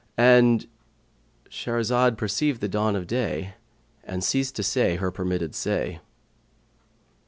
"—And Shahrazad perceived the dawn of day and ceased to say her permitted say.